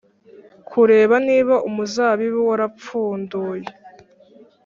kureba niba umuzabibu warapfunduye,